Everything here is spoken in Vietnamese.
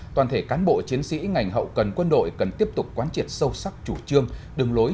toàn thể cán bộ chiến sĩ ngành hậu cần quân đội cần tiếp tục quán triệt sâu sắc chủ trương đường lối